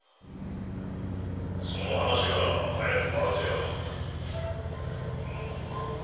その話は早く終わらせよう。